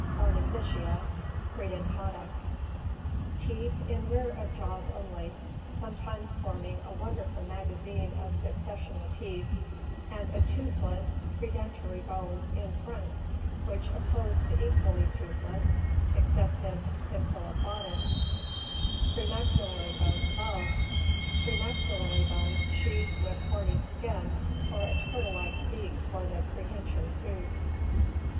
Ornithischia (Predentata) : Teeth in rear of jaws only, sometimes forming a wonderful magazine of successional teeth, and a toothless predentary bone in front which opposed the equally toothless (ex cept in Hypsilophodan) premaxillary bones above; premaxillary bones sheathed with horny skin or a turtle like beak for the pre hension of food.